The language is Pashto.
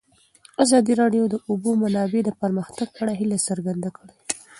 ازادي راډیو د د اوبو منابع د پرمختګ په اړه هیله څرګنده کړې.